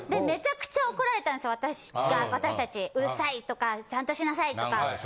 めちゃくちゃ怒られたんですよ、私たち、うるさいとか、ちゃんとしなさいとか。